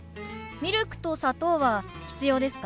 ミルクと砂糖は必要ですか？